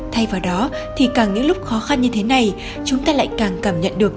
thay vào đó thì càng những lúc khó khăn như thế này chúng ta lại càng cảm nhận được